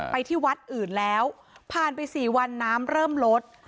ไปที่วัดอื่นแล้วผ่านไป๔วันน้ำเริ่มลด